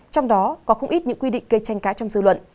trong đó có không ít những quy định gây tranh cã trong dư luận